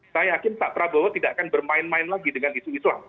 saya yakin pak prabowo tidak akan bermain main lagi dengan isu islam